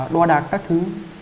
đo đạc các thứ